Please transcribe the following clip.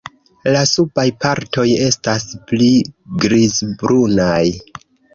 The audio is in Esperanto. La subaj partoj estas pli grizbrunaj.